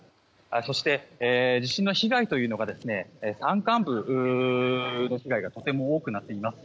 そして、地震の被害というのが山間部の被害がとても多くなっています。